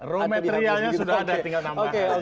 rum materialnya sudah ada tinggal